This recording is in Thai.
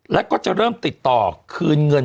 แล้วก็จะเริ่มติดต่อคืนเงิน